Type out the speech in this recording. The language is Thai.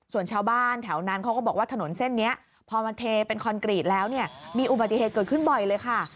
ส่วนชาวบ้านแถวนั้นเขาก็บอกว่าถนนเส้นนี้พอมันเทเป็นคอนกรีตแล้วเนี่ยมีอุบัติเหตุเกิดขึ้นบ่อยเลยค่ะ